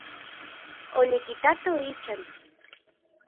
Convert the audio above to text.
Onikitato ichan.